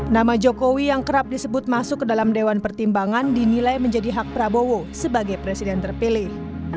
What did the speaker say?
nama jokowi yang kerap disebut masuk ke dalam dewan pertimbangan dinilai menjadi hak prabowo sebagai presiden terpilih